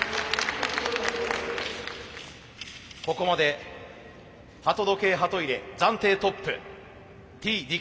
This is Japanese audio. ここまで鳩時計ハト入れ暫定トップＴ・ＤＫです。